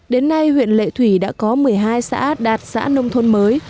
đến nay huyện lệ thủy đã có một mươi hai xã đạt xã nông thôn mới